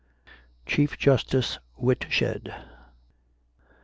CHIEF JUSTICE WHITSHED.